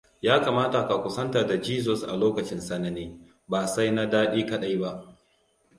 Yakamat ka kusanta da Jesus a lokutan tsanani, ba sai na daɗi kaɗai ba.